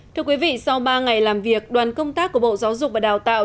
thưa quý vị sau ba ngày làm việc đoàn công tác của bộ giáo dục và đào tạo